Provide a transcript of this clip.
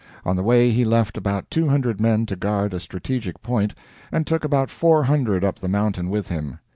On the way he left about 200 men to guard a strategic point, and took about 400 up the mountain with him.